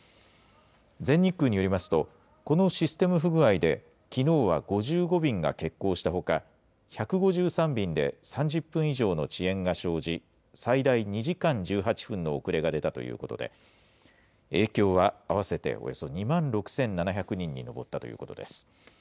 全日空によりますと、このシステム不具合で、きのうは５５便が欠航したほか、１５３便で３０分以上の遅延が生じ、最大２時間１８分の遅れが出たということで、影響は合わせておよそ２万６７００人に上ったということです。